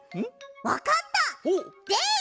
わかった！